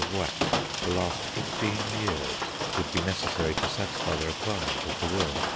of wax, to last 15 years, would be necessary to satisfy the requirements of the will.